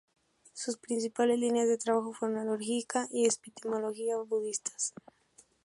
Sus principales líneas de trabajo fueron la lógica y epistemología budistas.